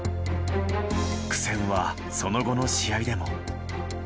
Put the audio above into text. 苦戦はその後の試合でも。